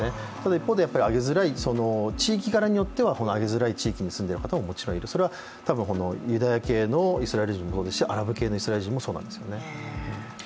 一方で上げづらい、地域によっては上げづらい地域に住んでいる人ももちろんいる、それはユダヤ系のイスラエル人もそうですし、アラブ系のイスラエル人もそうなんですよね。